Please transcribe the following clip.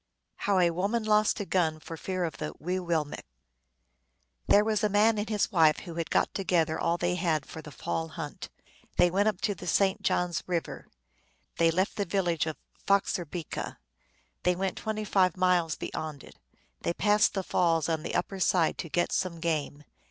How a Woman Lost a Gun for Fear of tho Wee willmekq . THERE was a man and his wife who had got to gether all they had for the fall hunt. They went up the St. John s River ; they left the village of Foxer bica; they went twenty five miles beyond it. They passed the falls on the upper side to get some game.